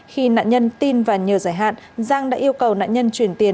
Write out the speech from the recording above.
khi nạn nhân tin và nhờ giải hạn giang đã yêu cầu nạn nhân chuyển tiền